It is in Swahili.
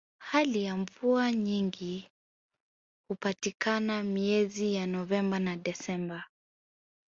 hali ya mvua nyingi hupatikana miezi ya novemba na desemba